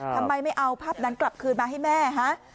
ทำไมไม่เอาภาพนั้นกลับคืนมาให้แม่ฮะ